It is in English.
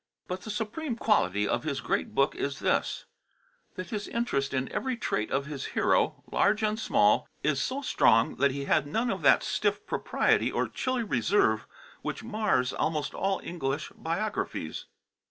But the supreme quality of his great book is this that his interest in every trait of his hero, large and small, is so strong that he had none of that stiff propriety or chilly reserve which mars almost all English biographies.